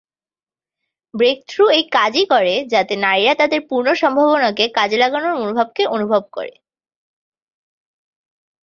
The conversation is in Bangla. ব্রেকথ্রু এই কাজই করে যাতে নারীরা তাদের পূর্ণ সম্ভাবনাকে কাজে লাগানোর মনোভাবকে অনুভব করে।